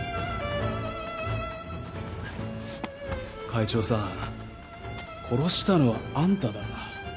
会長さん殺したのはあんただ。